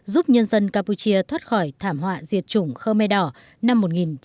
giúp nhân dân campuchia thoát khỏi thảm họa diệt chủng khmer đỏ năm một nghìn chín trăm bảy mươi năm